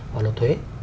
và luật thuế